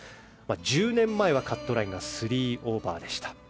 １０年前はカットラインが３オーバーでした。